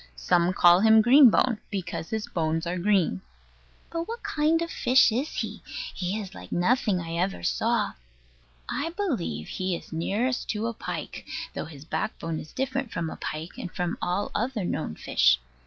Some call him Green bone, because his bones are green. But what kind of fish is he? He is like nothing I ever saw. I believe he is nearest to a pike, though his backbone is different from a pike, and from all other known fishes.